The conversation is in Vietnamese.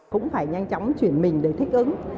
cũng phải nhanh chóng chuyển mình để thích ứng